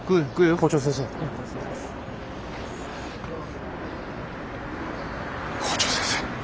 校長先生。